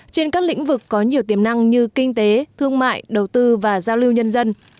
trên các lĩnh vực có nhiều tiềm năng như kinh tế thương mại đầu tư và giao lưu nhân dân